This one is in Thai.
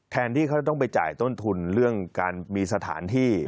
แทนที่เขาต้องไปจ่ายต้นทุนเรื่องการมีสถานที่